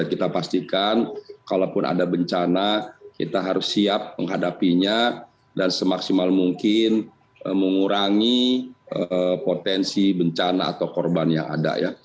kita pastikan kalaupun ada bencana kita harus siap menghadapinya dan semaksimal mungkin mengurangi potensi bencana atau korban yang ada ya